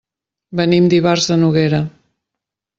Venim d'Ivars de Noguera.